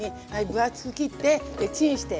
分厚く切ってでチンして。